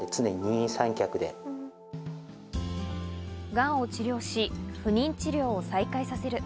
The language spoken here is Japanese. がんを治療し、不妊治療を再開させる。